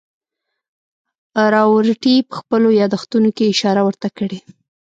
راورټي په خپلو یادښتونو کې اشاره ورته کړې.